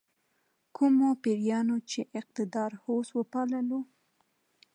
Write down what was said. کومو پیریانو چې اقتدار هوس وپاللو.